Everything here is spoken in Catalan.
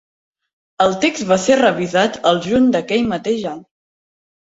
El text va ser revisat el juny d'aquell mateix any.